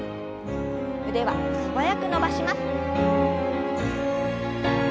腕は素早く伸ばします。